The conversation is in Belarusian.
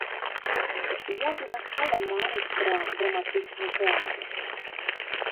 Я перастала марыць пра драматычны тэатр.